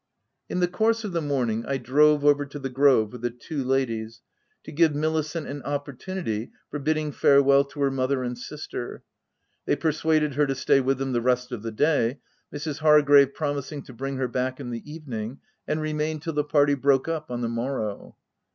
In the course of the morning, I drove over to the grove with the two ladies, to give Milicent an opportunity for bidding farewell to her mother and sister. They persuaded her to stay with them the rest of the day, Mrs. Hargrave premising to bring her back in the evening and remain till the party broke up on the morrow.